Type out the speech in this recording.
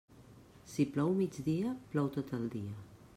Si plou mig dia, plou tot el dia.